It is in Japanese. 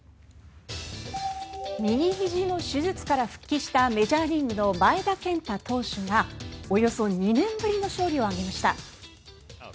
右ひじの手術から復帰したメジャーリーグの前田健太投手がおよそ２年ぶりの勝利を挙げました。